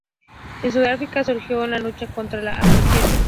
En Sudáfrica surgió en la lucha contra el "apartheid".